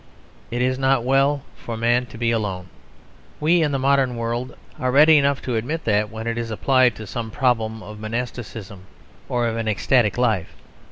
It is not well for man to be alone. We, in the modern world, are ready enough to admit that when it is applied to some problem of monasticism or of an ecstatic life.